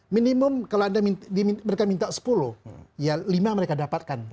minimum kalau mereka minta sepuluh ya lima mereka dapatkan